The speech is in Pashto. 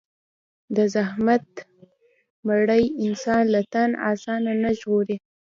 د زحمت مړۍ انسان له تن آساني نه ژغوري.